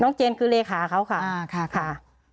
น้องเจนคือเลขาเขาค่ะ